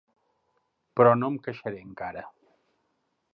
Però no em queixaré encara.